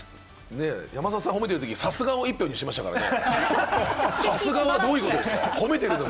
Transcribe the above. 山里さん褒めてるときに、さすが！を一票にしましたからね。